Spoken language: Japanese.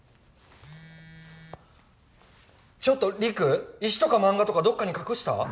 ちょっと陸石とか漫画とかどっかに隠した？